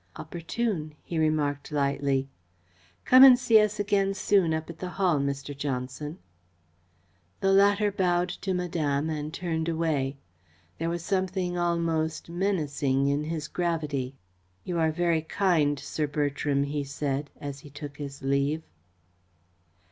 "Opportune," he remarked lightly. "Come and see us again soon up at the Hall, Mr. Johnson." The latter bowed to Madame and turned away. There was something almost menacing in his gravity. "You are very kind, Sir Bertram," he said, as he took his leave.